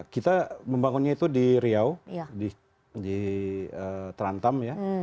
kita membangunnya itu di riau di terantam ya